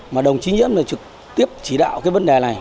mà đồng chí nhiễm này trực tiếp chỉ đạo cái vấn đề này